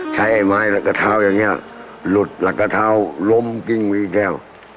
ใช้ไอ้ไม้รวกเท้าอย่างเหี่ยลุดลวกลัดโรมพี่เรา